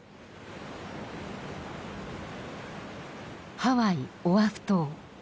ハワイオアフ島。